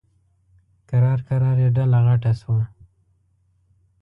کرار کرار یې ډله غټه شوه.